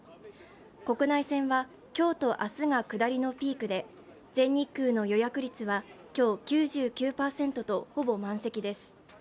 国内線は今日と明日が下りのピークで全日空の予約率は今日、９９％とほぼ満席です。